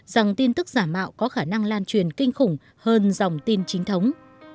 rằng tin tức giả mạo có khả năng lan truyền kinh khủng hơn dòng tin chính thống